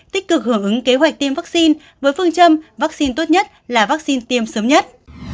tích cực hưởng ứng kế hoạch tiêm vaccine với phương châm vaccine tốt nhất là vaccine tiêm sớm nhất